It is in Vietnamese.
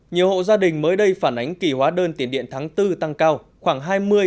nhiều hộ gia đình mới đây phản ánh kỳ hóa đơn tiền điện tháng bốn tăng cao khoảng hai mươi ba mươi